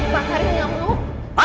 pak karim gak perlu